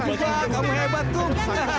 wah kamu hebat kum